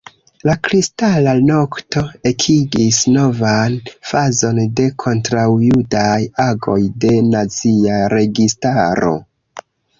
La Kristala nokto ekigis novan fazon de kontraŭjudaj agoj de nazia registaro.